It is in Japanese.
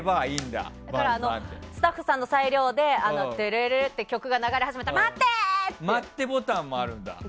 だから、スタッフさんの裁量で曲が流れ始めたら待ってボタンもあるんだ。